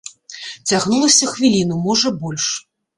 Цягнулася хвіліну, можа, больш.